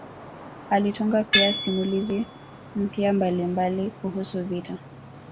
Alitunga pia simulizi mpya mbalimbali kuhusu vita